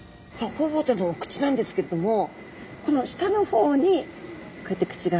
ホウボウちゃんのお口なんですけれどもこの下の方にこうやって口が。